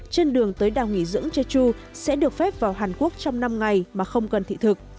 trên đường tới đảo nghỉ dưỡng jeju sẽ được phép vào hàn quốc trong năm ngày mà không cần thị thực